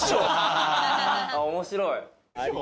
面白い。